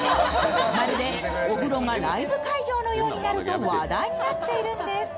まるでお風呂がライブ会場のようになると話題になっているんです。